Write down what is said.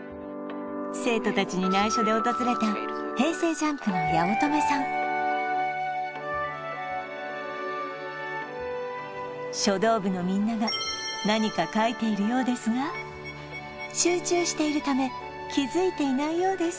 ＪＵＭＰの八乙女さん書道部のみんなが何か書いているようですが集中しているため気づいていないようです